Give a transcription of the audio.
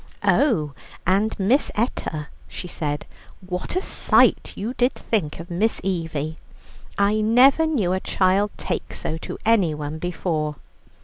"Oh, and, Miss Etta," she said, "what a sight you did think of Miss Evie! I never knew a child take so to anyone before.